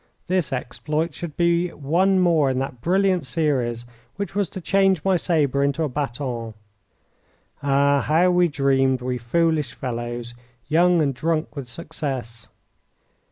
This exploit should be one more in that brilliant series which was to change my sabre into a baton. Ah, how we dreamed, we foolish fellows, young, and drunk with success!